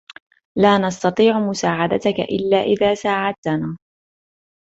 لا نسطيعُ مساعدتَك إلاّ اذا ساعدتنا.